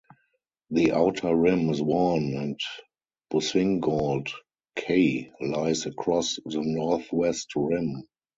The outer rim is worn and Boussingault K lies across the northwest rim.